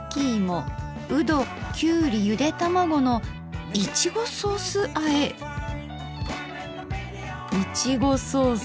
うどきゅうりゆで玉子のいちごソースあえ⁉いちごソース